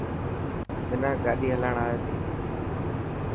منان گاڏي هلائڻ آي ٿي.